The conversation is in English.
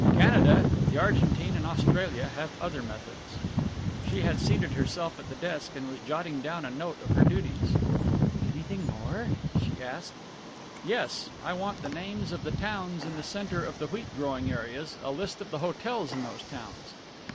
Canada, the Argentine and Australia have other methods." She had seated herself at the desk and was jotting down a note of her duties. "Anything more?" she asked. "Yes I want the names of the towns in the centre of the wheat growing areas, a list of the hotels in those towns.